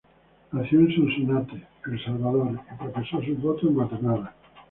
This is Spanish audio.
Nació en Sonsonate, El Salvador y profesó sus votos en Guatemala.